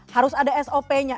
harus ada sop nya